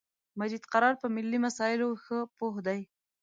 مجید قرار په ملی مسایلو خه پوهه دی